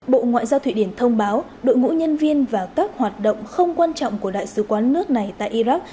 bộ ngoại giao thụy điển thông báo đội ngũ nhân viên và các hoạt động không quan trọng của đại sứ quán nước này tại iraq